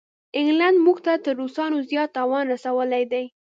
انګلینډ موږ ته تر روسانو زیات تاوان رسولی دی.